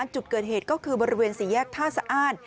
จุดเกิดเหตุก็คือบริเวณสี่แยกท่าสะอ้าน